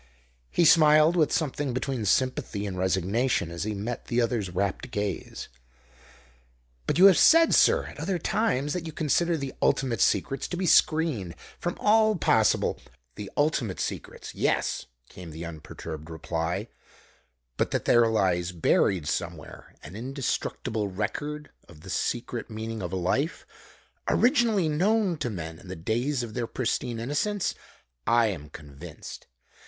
He smiled, with something between sympathy and resignation as he met the other's rapt gaze. "But you have said, sir, at other times, that you consider the ultimate secrets to be screened from all possible " "The ultimate secrets, yes," came the unperturbed reply; "but that there lies buried somewhere an indestructible record of the secret meaning of life, originally known to men in the days of their pristine innocence, I am convinced.